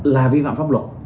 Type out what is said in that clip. là vi phạm pháp luật